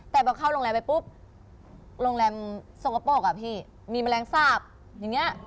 แต่พอเข้าโรงแรมไปปุ๊บโรงแรมสกปรกอ่ะพี่มีแมลงสาบอย่างนี้